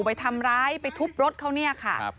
ไปทำร้ายไปทุบรถเขาเนี่ยค่ะ